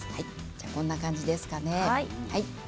こんな感じでしょうかね。